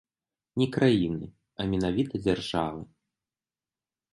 Не краіны, а менавіта дзяржавы.